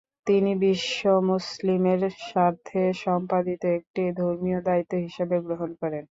তিনি বিশ্ব মুসলিমের স্বার্থে সম্পাদিত একটি ধর্মীয় দায়িত্ব হিসেবে গ্রহণ করেন।